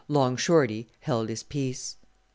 Long Shorty held his peace.